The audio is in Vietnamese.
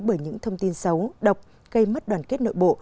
bởi những thông tin xấu độc gây mất đoàn kết nội bộ